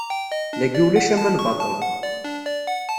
Dayi ulac aman baṭel.